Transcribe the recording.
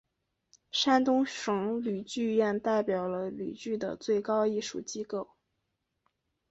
山东省吕剧院代表了吕剧的最高艺术机构。